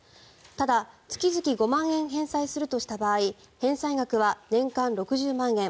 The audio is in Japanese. ただ月々５万円返済するとした場合返済額は年間６０万円。